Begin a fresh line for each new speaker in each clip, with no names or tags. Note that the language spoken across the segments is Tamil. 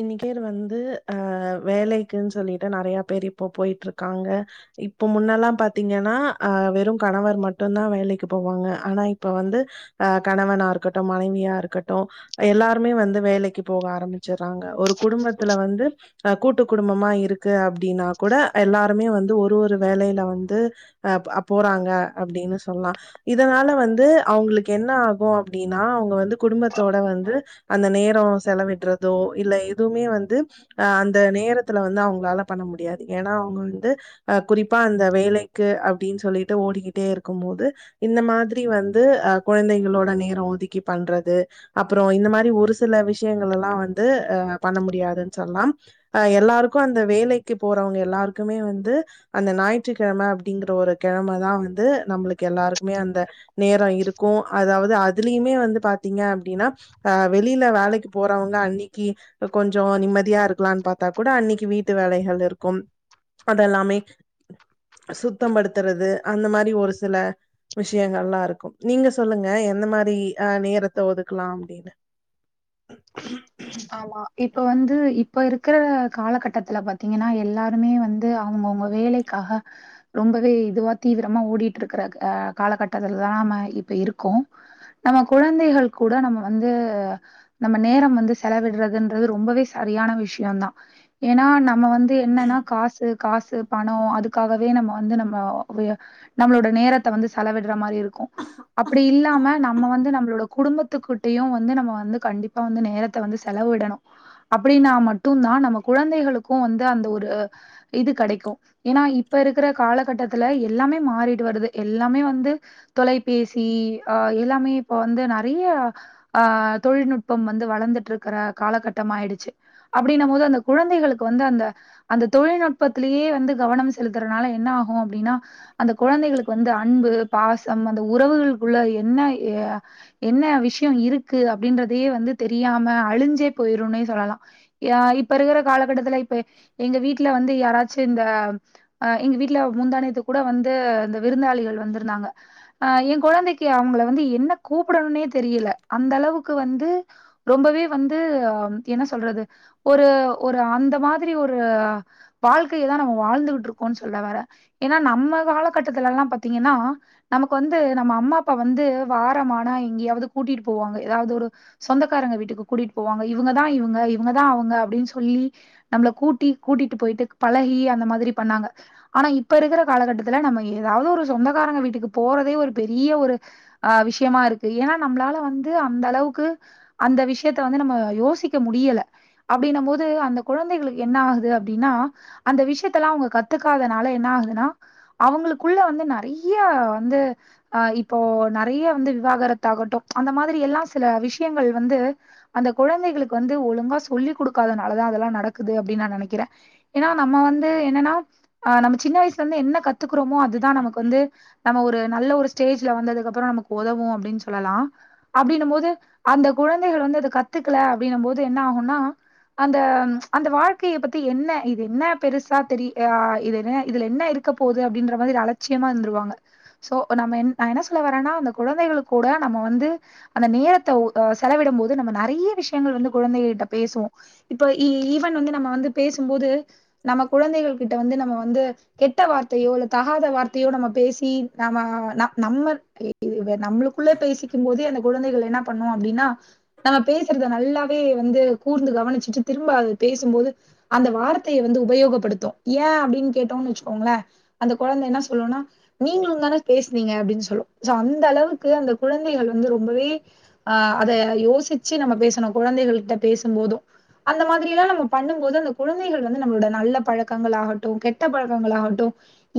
இன்னைக்கேர் வந்து அ வேலக்கின்னு சொல்லிட்டு நெறைய பேர் இப்போ போயிட்டு இருக்காங்க இப்போ முன்னெல்லாம் பாத்தீங்கனா அ வெறும் கணவர் மட்டும் தான் வேலக்கி போவாங்க ஆனா இப்ப வந்து ஆ கணவனா இருக்கட்டும் மனைவியா இருக்கட்டும் எல்லாருமே வந்து வேலக்கி போக ஆரம்பி சொல்ரங்க ஒரு குடும்பத்துல வந்து அ கூட்டுகுடும்பமா இருக்கு அப்டின்னா கூட எல்லாருமே வந்து ஒரு ஒரு வேலயில வந்து அ போறாங்க அப்டின்னு சொல்லாம் இதனால வந்து அவங்களுக்கு என்ன ஆகும் அப்டின்னா அவங்க வந்து குடும்பத்தோட வந்து அந்த நேரம் செலவிடுறது இல்ல எதுவுமே வந்து அ அந்த நேரத்துல வந்து அவங்களால பண்ண முடியாது ஏன்னா அவங்க வந்து அ குறிப்பா அந்த வேலக்கு அப்டின்னு சொல்லிட்டு ஓடிக்கிட்டே இருக்கும் போது இந்த மாதிரி வந்து அ கெழந்தைகளோட நேரம் ஒதுக்கி பண்றது அப்புறோம் இந்த மாரி ஒரு சில விஷயங்கள் எல்லாம் வந்து வந்து பண்ண முடியாதுன்னு சொல்லாம் எல்லாருக்கும் அந்த வேலக்கு போறவங்க எல்லாருக்குமே வந்து அந்த ஞாயிற்றுக்கிழம அப்டிங்கற ஒரு இது கிழம தான் வந்து நம்மளுக்கு எல்லாருக்குமே அந்த நேரோ இருக்கு அதாவது அத் அதுலயுமே வந்து பாத்தீங்க அப்படின்னா அஹ் வெளியில வேலைக்கு போறவங்க அன்னைக் கி கொஞ்சோ நிம்மதியா இருக்கலான்னு பாத்தா கூட அன்னைக்கி வீட்டு வேலைகள் இருக்கும் அதெல்லாமே சுத்தம் படுத்துறது அந்த மாரி ஒரு சில விஷயங்கள்லா இருக்கும் நீங்க சொல்லுங்க எந்த மாரி அஹ் நேரத்த ஒதுக்கலா அப்டின்னு
ஆமா இப்ப வந்து இப்ப இருக்கிற காலகட்டத்துல பாத்தீங்கன்னா எல்லாருமே வந்து அவங்கவுங்க வேலைக்காக ரொம்பவே இதுவா தீவிரமா ஓடிட்டு இருக்கிற அஹ் காலகட்டத்துலதான் இப்ப இருக்கோம் நம்ம குழந்தைகள் கூட நம்ம வந்து நம்ம நேரம் வந்து செலவிடுறதுன்றது ரொம்பவே சரியான விஷயம் தான் ஏன்னா நம் நம்ம வந்து என்னன்னா காசு காசு பணம் அதுக்காகவே நம்ம வந்து நம்ம நம்மளோட நேரத்தை வந்து செலவிடுற மாதிரி இரு இருக்கு அப்டி இல்லாம நம்ம வந்து நம்மளோட குடும்பத்துக்கிட்டயும் வந்து நம்ம வந்து கண்டிப்பா இப்ப வந்து நேரத்தை வந்து செலவு விடணும் அப்படின்னா மட்டும் தான் நம்ம குழந்தைகளுக்கும் வந்து அந்த ஒரு இது கிடைக்கும் ஏன்னா இப்ப இருக்கிற காலகட்டத்துல எல்லாமே மாறிட்டு வருது எல்லாமே வந்து தொலைபேசி ஆஹ் எல்லாமே இப்ப வந்து நிறைய ஆஹ் தொழில்நுட்ப இப்ப வந்து வளந்துட்டு இருக்கிற காலகட்டம் ஆயிடுச்சு அப்படின்ன போது அந்த குழந்தைகளுக்கு வந்து அந்த அந்த தொழில்நுட்பத்திலேயே வந்து கவனம் செலுத்துறனால என்ன ஆகும் அப்படின்னா அந்த குழந்தைகளுக்கு வந்து அன்பு பாசம் அந்த உறவுகளுக்குள்ள என்ன என்ன விஷயம் இருக்கு அப்படின்றது வந்து தெரியாம அழிஞ்சே போயிரும் சொல்லலாம் இப்ப இருக்கிற காலகட்டத்தில எங்க வீட்டு வீட்ல வந்து யாராச்சும் இந்தஹ எங்க வீட்டுல முந்தானேயத்து கூட வந்து இந்த விருந்தாளிகள் வந்திருந்தாங்க அஹ் என் குழந்தைக்கு அவங்க வந்து என்ன கூப்பிடணும்னே தெரியல அந்த அளவுக்கு கு வந்து ரொம்பவே வந்து என்ன சொல்றது ஒரு ஒரு அந்த மாதிரி ஒரு வாழ்க்கையைதான் நம்ம வாழ்ந்துகிட்டு இருக்கோம்ன்னு சொல்ல வேற ஏன்னா நம்ம வாழர காலகட்டத்துல எல்லாம் பாாரத்தீங்கன்னா நமக்கு வந்து நம்ம அம்மா அப்பா வந்து வாரமானா எங்கயாவது கூட்டிட்டு போவாங்க. ஏதாவது ஒரு சொந்தக்காரங்க வீட்டுக்கு கூட்டிட்டு போவாங்க இவங்கதான் இவங்க இவங்கதான் அவங்க அப்படின்னு சொல்லி நம்மளை கூட்டி கூட்டிட்டு போயிட்டு பழகி அந்த மாதிரி பண்ணாங்க ஆனா இப்ப இருக்கிற காலகட்டத்துல நம்ம ஏதாவது ஒரு சொந்தக்காரங்க வீட்டுக்கு போறதே ஒரு பெரிய ஒரு ஆஹ் விஷயமா இருக்கு ஏன்னா நம்மளால வந்து அந்த அளவுக்கு அந்த விஷயத்த வந்து நம்ம யோசிக்க முடியல அப்படன மோது அந்த குழந்தைகளுக்கு என்ன ஆகுது அப்படின்னா அந்த விஷயத்த எல்லாம் அவங்க கத்துக்காதனால என்ன ஆகுதுனா அவங்களுக்குள்ள வந்து நிறைய வந்து ஆஹ் இப்போ நிறைய வந்து விவாகரத்தாகட்டும் அந்த மாதிரி எல்லாம் சில விஷயங்கள் வந்து அந்த குழந்தைகளுக்கு வந்து ஒழுங்கா சொல்லிக் கொடுக்காதனாலதான் அதெல்லாம் நடக்குது அப்படின்னு நான் நினைக்கிறேன் ஏன்னா நம்ம வந்து என்னன்னா ஆஹ் நம்ம சின்ன வயசுல இருந்து என்ன கத்துக்கிறோமோ அதுதான் நமக்கு வந்து நம்ம ஒரு நல்ல ஒரு ஸ்டேஜ்ல வந்ததுக்குப்புறம் நமக்கு உதவும் அப்படின்னு சொல்லலாம். அப்படின்னும் மோது அந்த குழந்தைகள் வந்து அதை கத்துக்கல அப்படின்னும் போது என்ன ஆகும்னா அந்த அந்த வாழ்க்கைய பத்தி என்ன இது என்ன பெருசா தெரிய ஆஹ் இது என்ன இதுல என்ன இருக்க போகுது அப்படின்ற மாதிரி அலட்சியமா இருந்துருவாங்க. சோ நம்ம ந என்ன சொல்ல வரேன்னா அந்த குழந்தைகள் கூட வந்து நம்ம அந்த நேரத்தை செலவிடும் போது நம்ம நிறைய விஷயங்கள் வந்து குழந்தைக கிட்ட பேசுவோம் இப்ப ஈவன் வந்து நம்ம வந்து பேசும்போது நம்ம குழந்தைகள் கிட்ட வந்து நம்ம வந்து கெட்ட வார்த்தையோ இல்ல தகாத வார்த்தையோ நம்ம பேசி நம்ம நம்ம நம்மளுக்குள்ள பேசிக்கும் போதே அந்த குழந்தைகள் என்ன பண்ணோம் அப்படின்னா நம்ம பேசுறத நல்லாவே வந்து கூர்ந்து கவனிச்சுட்டு திரும்ப அது பேசும்போது அந்த வார்த்தையை வந்து உபயோகப்படுத்தும் ஏன் அப்படின்னு கேட்டோம்னு வச்சுக்கோங்களே அந்த குழந்தை என்ன சொல்லும்னா நீங்களும் தானே பேசுனீங்க அப்படின்னு சொல்லும் அந்த அளவுக்கு அந்த குழந்தைகள் வந்து ரொ ரொம்பவே ஆ அத யோசிச்சு நம்ம பேசணு குழந்தைகள் கிட்ட பேசும் போதும் அந்த மாதிரி எல்லாம் நம்ம பண்ணும் போது அந்த குழந்தைகள் வந்து நம்மளோட நல்ல பழக்கங்களாகட்டு கெட்ட பழக்கங்களாகட்டு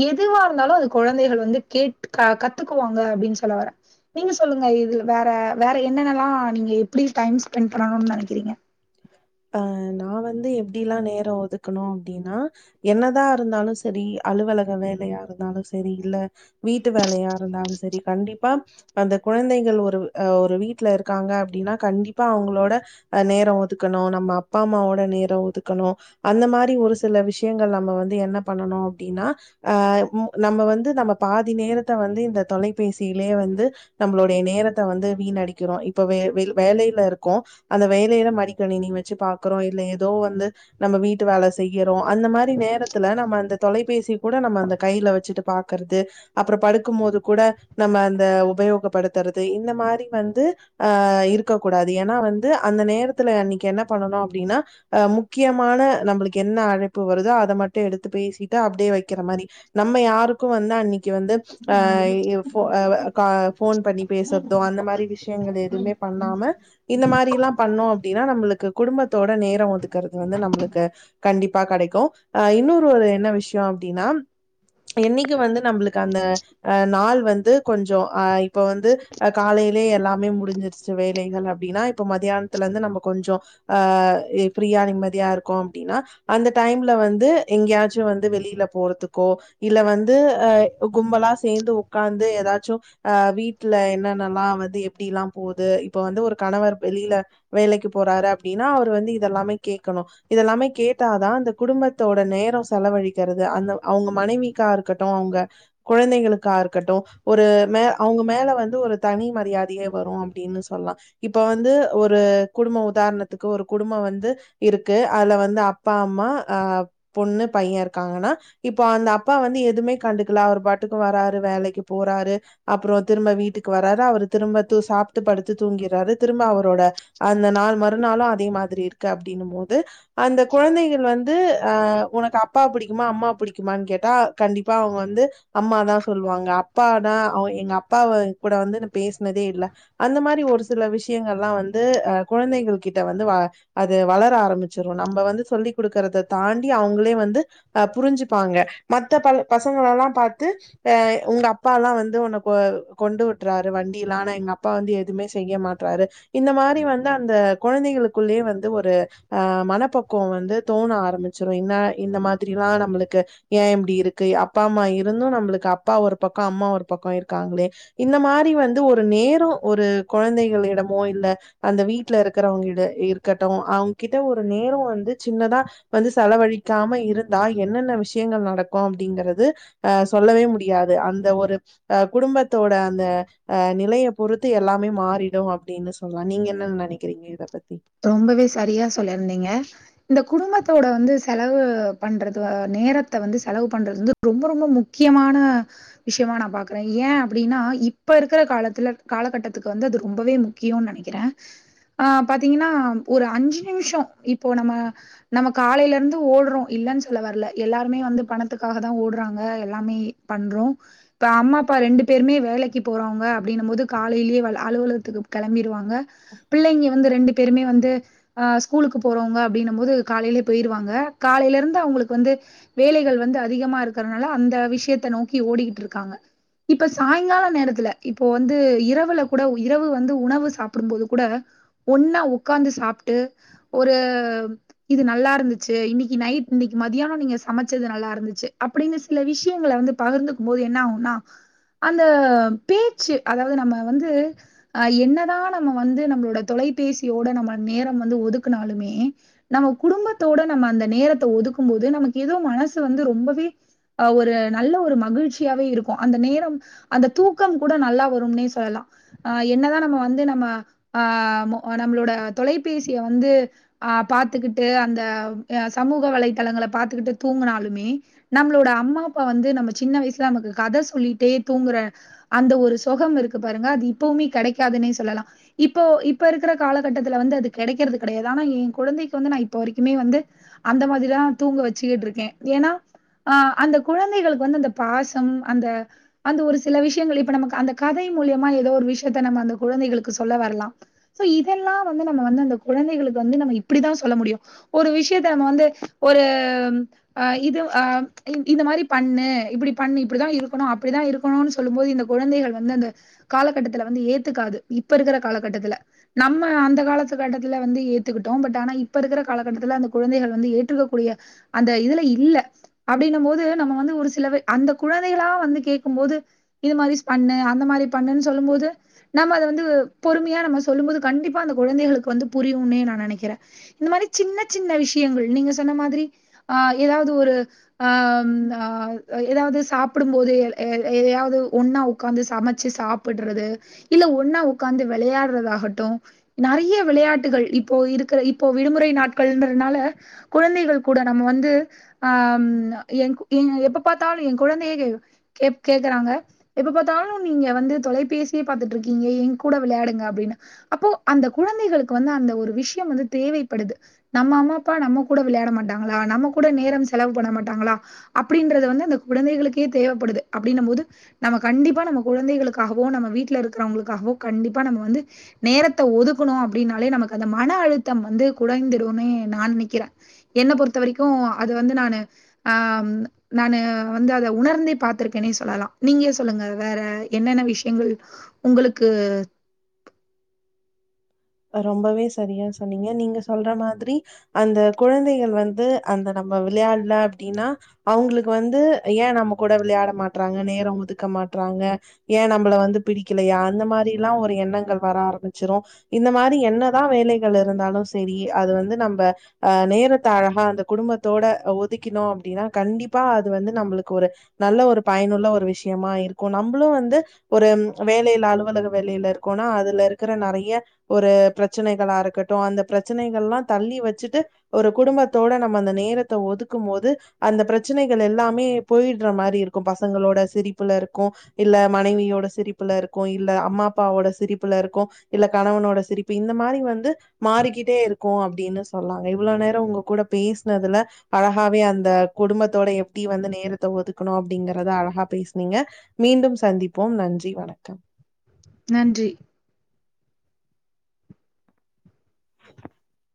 எதுவா இருந்தாலு அது குழந்தைகள் வந்து கேட் ஆ கத்துக்குவாங்க அப்டின்னு சொல்ல வர நீங்க சொல்லுங்க இது வேற வேற என்னென்னல்லாம் நீங்க எப்படி டைம் ஸ்பெண்ட் பண்ணணும்னு நினைக்கிறீங்க
அஹ் நான் வந்து எப்டிலாம் நேரம் ஒதுக்கணும் அப்படின்னா என்னதா இருந்தாலும் சரி அலுவலக வேலையா இருந்தாலும் சரி இல்ல வீட்டு வேலையா இருந்தாலும் சரி கண்டிப்பா அந்த குழந்தைகள் ஒரு அஹ் ஒரு வீட்டுல இருக்காங்க அப்படின்னா கண்டிப்பா அவங்களோட அஹ் நேரம் ஒதுக் [unintelligible] அப்பா அம்மாவோட நேரம் ஒதுக்கணும் அந்த மாதிரி ஒரு சில விஷயங்கள் நம்ம வந்து என்ன பண்ணணும் அப்படின்னா ஆஆ நம்ம வந்து நம்ம பாதி நேரத்தை வந்து இந்த தொலைபேசியிலேயே வந்து நம்மளுடைய நேரத்தை வந்து வீணடிக்கிறோம் இப்பவே வேலையில இருக்கோம் அந்த வேலையில அடி தன நீ வச்சு பாக்குறோம் இல்ல ஏதோ வந்து நம்ம வீட்டு வேலை செய்ய அந்த மாதிரி நேரத்தில நம்ம அந்த தொலைபேசி கூட நம்ம அந்த கையில வச்சுட்டு பாக்குறது அப்புறம் படுக்கும் மோது கூட நம்ம அந்த உபயோகப்படுத்துறது இந்த மாதிரி வந்து அஹ இருக்க கூடாது ஏன்னா வந்து அந்த நேரத் துல அன்னைக்கு என்ன பண்ணனும் அப்படின்னா அஹ் முக்கியமான நம்மளுக்கு என்ன அழைப்பு வருதோ அதை மட்டும் எடுத்து பேசிட்டு அப்படியே வைக்கிற மாரி நம்ம யாருக்கோ வந்து அஹ் போன் பண்ணி பேசுறதோ அந்த மாதிரி விஷயங்கள் எதுவுமே பண்ணாம இந்த மாதிரி எல்லாம் பண்ணோ அப்டினா நம்மளுக்கு குடும்பத்தோட நேரோ ஒதுக்கறது வந்து நம்மளுக்கு கண்டிப்பா கெடைக்கு அஹ் இன்னொரு ஒரு என்ன விஷயோ அப்டின்னா என்னைக்கு வந்து நம்மளுக்கு அந்த ஆ நாள் வந்து கொஞ்சோ அஹ் இப்ப வந்து ஆ காலையிலயே எல்லாமே முடிஞ்சிருச்சு வேலைகள் அப்டின்னா இப்ப மத்தியானத்துல வந்து நம்ம கொஞ்ச அஹ் ஃப்ரீயா நிம்மதியா இருக்கோ அப்டின்னா அந்த டைம்ல வந்து எங்கயாச்சு வந்து வெளியில போறதுக்கோ இல்ல வந்து அஹ் கும்பலா சேந்து உக்காந்து ஏதாச்சு அஹ் வீட்ல என்னன்னல்லா வந்து எப்டிலாம் போது இப்ப வந்து ஒரு கணவர் வெளியில வேலைக்கு போறாரு அப்டின்னா அவர் வந்து இதெல்லாமே கேக்கணு இதெல்லாமே கேட்டாதா அந்த குடும்பத்தோட நேரோ செலவழிக்கிறது அந்த அவங்க மனைவிக்கா இருக்கட்டு அவங்க குழந்தைகளுக்கா இருக்கட்டு ஒரு மே அவங்க மேல வந்து ஒரு தனி மரியாதையே வரு அப்டின்னு சொல்லலா இப்ப வந்து ஒரு உதாரணத்துக்கு ஒரு குடும்பம் வந்து இருக்கு அதுல வந்து அ ஆமா ஆஹ் பொண்ணு பையன் இருக்காங்கன்னா இப்போ அந்த அப்பா வந்து எதுவுமே கண்டுக்கல அவரு பாட்டுக்கு வராரு வேலைக்கு போறாரு அப்புறம் திரும்ப வீட்டுக்கு வராரு அவரு திரும்ப தூ சாப்பிட்டு படுத்து தூங்கறாரு திரும்ப அவரோட அந்த நாள் மறுநாளு அதே மாதிரி இருக்கு அப்டின்னும் போது அந்த குழந்தைகள் வந்து அஹ் உனக்கு அப்பா பிடிக்குமா அம்மா பிடிக்குமா கேட்டா கண்டிப்பா அவங்க வந்து அம்மாதான் சொல்லுவாங்க அப்பா தான் அவ எங்க அப்பா கூட வந்து பேசினதே இல்லை அந்த மாதிரி ஒரு சில விஷயங்கள் எல்லாம் வந்து அது குழந்தைங்கள் கிட்ட வந்து அது வளர ஆரம்பிச்சிடும் நம்ம வந்து சொல்லி் கொடுக்கறத தாண்டி அவுங்களே வந்து அஹ புரிஞ்சுப்பாங்க மத்த ப பசங்கள எல்லாம் பார்த்து அஹ உங்க அப்பா எல்லாம் வந்து உன்ன கொண்டு விட்றாரு வண்டில ஆனா எங்க அப்பா வந்து எதுவுமே செய்ய மாட்றாரு இந்த மாதிரி வந்து அந்த குழந்தைகளுக்குள்ளயே வந்து ஒரு அஹ மனப்பக்குவம் வந்து தோண ஆரம்பிச்சிடும் என்ன இந்த மாதிரிலாம் நம்மளுக்கு ஏன் இப்டி இருக்கு அப்பா அம்மா இருந்தும் நம்மளுக்கு அப்பா ஒரு பக்கம் அம்மா ஒரு பக்கம் இருக்காங்களே இந்த மாதிரி வந்து ஒரு நேரம் ஒரு குழந்தைகளிடம் மோ இல்ல அந்த வீட்ல இருக்கிறவங்களோட இருக்கட்டும் அவுங்கிட்ட ஒரு நேரம் வந்து சின்னதா வந்து செலவழிக்காம இருந்தா என்னென்ன விஷயங்கள் நடக்கும் அப்டிங்கறது அஹ சொல்லவே முடியாது அந்த ஒரு அஹ குடும்பத்தோட அந்த அஹ நிலைய பொறுத்து எல்லாமே மாறிடும் அப்டின்னு சொல்லலாம் நீங்க என்ன நினைக்கிறீங்க இத பத்தி
ரொம்பவே சரியா சொல்லிருந்தீங்க இந்த குடும்பத்தோட வந்து செலவு பண்றது நேரத்தை வந்து செலவு பண்றது வந்து ரொம்ப ரொம்ப முக்கியமான விஷயமா நான் பாக்குறேன் ஏன் அப்டின்னா இப்ப இருக்கிற காலத்துல காலகட்டத்துக்கு வந்து அது ரொம்பவே முக்கியம்னு நினைக்கிறேன் அஹ பார்த் த்தீங்கன்னா ஒரு அஞ்சு நிமிஷம் இப்போ நம்ம நம்ம காலையில இருந்து ஓடுறோம் இல்லன்னு சொல்ல வரல எல்லாருமே வந்து பணத்துக்காக தான் ஓடுறாங்க எல்லாமே பண்றோம் இப்ப அம்மா அப்பா ரெண்டு பேருமே வேலைக்கு போறவங்க அப்டின்னும் போது காலையிலயே அலுவலகத்துக்கு கிளம்பிடுவா ங்க பிள்ளைங்க வந்து ரெண்டு பேருமே வந்து ஹ ஸ்கூலுக்கு போறவங்க அப்டின்னும் போது காலையிலே போயிருவாங்க காலையில இருந்து அவுங்களுக்கு வந்து வேலைகள் வந்து அதிகமா இருக்கிறதுனால அந்த விஷயத்த நோக்கி ஓடிக்கிட்டு இருக்காங்க இப்ப சாய்ங்கால நேரத்துல இப்போ வந்து இரவுல கூட இரவு வந்து உணவு சாப்டும் போது கூட ஒன்னா உட்காந்து சாப்ட்டு ஒரு இது நல்லா இருந்துச்சு இன்னைக்கு நைட் இன்னைக்கு மதியானம் நீங்க சமைச்சது நல்லா இருந்துச்சு அப்டின்னு சில விஷயங்கள வந்து பகிர்ந்துக்கும் போது என்ன ஆகும்னா அந்த பேச்சு அதாவது நம்ம வந்து ஹ என்னதான் நம்ம வந்து நம்மளோட தொலைபேசி யோட நம்ம நேரம் வந்து ஒதுக்கினாலுமே நம்ம குடும்பத்தோட நம்ம அந்த நேரத்தை ஒதுக்கும் போது நமக்கு ஏதோ மனசு வந்து ரொம்பவே ஹ ஒரு நல்ல ஒரு மகிழ்ச்சியாவே இருக்கும் அந்த நேரம் அந்த தூக்கம் கூட நல்லா வரும்னே சொல்லலாம் ஆஹ என்னதான் நம்ம வந்து நம்ம ஆஹ நம்மளோட தொலைபேசிய வந்து ஆஹ பாத்துக்கிட்டு அந்த சமூக வலைத்தளங்களை பார்த்துக்கிட்டு தூங்கினாலுமே நம்மளோட அம்மா அப்பா வந்து நம்ம சின்ன வயசுல நமக்கு கதை சொல்லிட்டே தூங்குற அந்த ஒரு சுகம் இருக்கு பாருங்க அது இப்பவுமே கிடைக்காதுன்னே சொல்லலாம் இப்போ இப்ப இருக்கிற காலகட்டத்துல வந்து அது கிடைக்கிறது கிடையாது ஆனா என் குழந்தைக்கு வந்து நான் இப்ப வரைக்குமே வந்து அந்த மாரிதான் தூங்க வச்சுக்கிட்டு இருக்கேன் ஏன்னா அஹ அந்த குழந்தைகளுக்கு வந்து அந்த பாசம் அந்த அந்த ஒரு சில விஷயங்கள் இப்ப நமக்கு அந்த கதை மூலியமா ஏதோ ஒரு விஷயத்த நம்ம அந்த குழந்தைகளுக்கு சொல்ல வரலாம் சோ இதெல்லாம் வந்து நம்ம வ அந்த குழந்தைகளுக்கு வந்து நம்ம இப்படிதான் சொல்ல முடியும் ஒரு விஷயத்த நம்ம வந்து ஒரு ஆஹ இது ஆஹ இந்த மாதிரி பண்ணு இப்படி பண்ணு இப்படிதான் இருக்கணும் அப்படிதான் இருக்கணும்னு சொல்லும் போது இந்த குழந்தைகள் வந்து அந்த காலகட்டத்துல வந்து ஏத்துக்காது இப்ப இருக்கிற காலகட்டத்துல நம்ம அந்த காலக்கட்டத்துல வந்து ஏத்துக்கிட்டோம் பட் ஆனா இப்ப இருக்கிற காலக்கட்டத்துல அந்த குழந்தைகள் வந்து ஏற்றுக்க கூடிய அந்த இதுல இல்ல அப்டின்னும் போது நம்ம வந்து ஒரு சில அந்த குழந்தைகளா வந்து கேட்கும் போது இது மாதிரி பண்ணு அந்த மாதிரி பண்ணுன்னு சொல்லும் போது நம்ம அதை வந்து பொறுமையா நம்ம சொல்லும்போது கண்டிப்பா அந்த குழந்தைகளுக்கு வந்து புரியும்னே நான் நினைக்கிறேன் இந்த மாதிரி சின்ன சின்ன விஷயங்கள் நீங்க சொன்ன மாதிரி ஆஹ ஏதாவது ஒரு ஆஹ ஏதாவது சாப்டும்போது ஏதாவது ஒன்னா உட்காந்து சமைச்சு சாப்டுறது இல்ல ஒன்னா உட்காந்து விளையாடுறதாகட்டும் நறைய விளையாட்டுகள் இப்போ இருக்கிற இப்போ விடுமுறை நாட்களுறதுனால குழந்தைகள் கூட நம்ம வந்து ஹ என் எப்ப பார்த்தாலும் என் குழந்தையே கேக்குறாங்க எப்ப பார்த்தாலும் நீங்க வந்து தொலைபேசியே பார்த்துட்டு இருக்கீங்க என் கூட விளையாடுங்க அப்டின்னு அப்போ அந்த குழந்தைகளுக்கு வந்து அந்த ஒரு விஷயம் வந்து தேவைப்படுது நம்ம அம்மா அப்பா நம்ம கூட விளையாட மாட்டாங்களா நம்ம கூட நேரம் செலவு பண்ண மாட்டாங்களா அப்டின்றது வந்து அந்த குழந்தைகளுக்கே தேவைப்படுது அப்டிங்க போது நம்ம கண்டிப்பா நம்ம குழந்தைகளுக்காகவோ நம்ம வீட்ல இருக்கிறவங்களுக்காகவோ கண்டிப்பா நம்ம வந்து நேரத்தை ஒதுக்கணும் அப்படின்னாலே நமக்கு அந்த மன அழுத்தம் வந்து குறைந்துடும்னே நான் நினைக்கிறேன் என்ன பொறுத்த வரைக்கும் அது வந்து நானு ஆஹ நானு வந்து அத உணர்ந்தே பார்த்திருக்கனே சொல்லலாம் நீங்க சொல்லுங்க வேற என்னென்ன விஷயங்கள் உங்களுக்கு
ரொம்பவே சரியா சொன்னீங்க நீங்க சொல்ற மாதிரி அந்த குழந்தைகள் வந்து அந்த நம்ம விளையாடல அப்டின்னா அவுங்களுக்கு வந்து ஏன் நம்ம கூட விளையாட மாட்டறாங்க நேரம் ஒதுக்க மாட்டறாங்க ஏன் நம்மளை வந்து பிடிக்கலையா அந்த மாதிரி எல்லாம் ஒரு எண்ணங்கள் வர ஆரம்பிச்சிரும் இந்த மாதிரி என்னதான் வேலைகள் இருந்தாலும் சரி அது வந்து நம்ம அஹ நேரத்த அழகா அந்த குடும்பத்தோட ஒதுக்கிணோம் அப்டின்னா கண்டிப்பா அது வந்து நம்மளுக்கு ஒரு நல்ல ஒரு பயனுள்ள ஒரு விஷயமா இருக்கும் நம்மளும் வந்து ஒரு வேலையில அலுவலக வேலையில இருக்கோனா அதுல இருக்கிற நெறைய ஒரு பிரச்சனைகளா இருக்கட்டும் அந்த பிரச்சனைகள் எல்லாம் தள்ளி வச்சுட்டு ஒரு குடும்பத்தோட நம்ம அந்த நேரத்தை ஒதுக்கும் போது அந்த பிரச்சனைகள் எல்லாமே போயிடுற மாதிரி இருக்கும் பசங்களோட சிரிப்புல இருக்கும் இல்ல மனைவியோட சிரிப்புல இருக்கும் இல்ல அம்மா அப்பாவோட சிரிப்புல இருக்கும் இல்ல கணவனோட சிரிப்பு இந்த மாதிரி வந்து மாறிக்கிட்டே இருக்கும் அப்டின்னு சொன்னாங்க இவ்வளவு நேரம் உங்க கூட பேசினதுல அழகாவே அந்த குடும்பத்தோட எப்படி வந்து நேரத்தை ஒதுக்கணும் அப்டிங்கறத அழகா பேசனீங்க மீண்டும் சந்திப்போம் நன்றி வணக்கம்
நன்றி
[inaudible]